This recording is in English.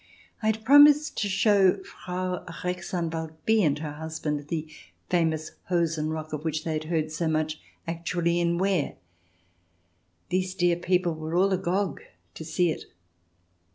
I had promised to show Frau Rechtsanwalt B and her husband the famous Hosen rock, of which they had heard so much, actually in wear. These dear people were all agog to see it.